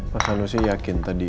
masa lu sih yakin tadi